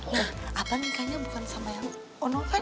nah abang nikahnya bukan sama yang ono kan